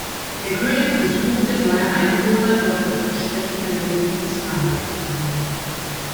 Der König versuchte, neue Einwohner durch das Versprechen der Religionsfreiheit zu gewinnen.